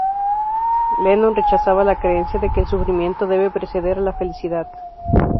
Lennon rechazaba la creencia de que el sufrimiento debe preceder a la felicidad.